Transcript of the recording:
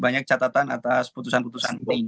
banyak catatan atas putusan putusan ini